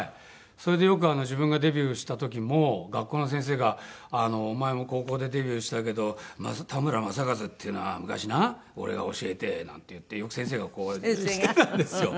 それでよく自分がデビューした時も学校の先生が「お前も高校でデビューしたけど田村正和っていうのは昔な俺が教えて」なんて言ってよく先生がこうやってしてたんですよ。